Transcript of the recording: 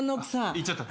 行っちゃった。